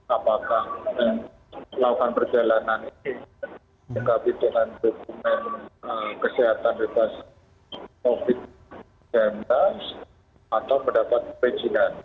apakah melakukan perjalanan ini dikapi dengan dokumen kesehatan bebas covid sembilan belas atau mendapat perizinan